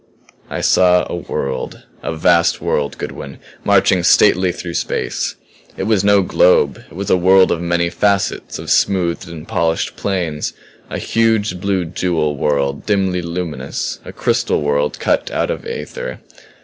"I saw a world, a vast world, Goodwin, marching stately through space. It was no globe it was a world of many facets, of smooth and polished planes; a huge blue jewel world, dimly luminous; a crystal world cut out from Aether.